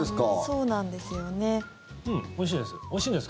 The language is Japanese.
うん、おいしいです。